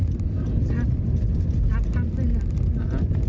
ชักชักตั้งเตือน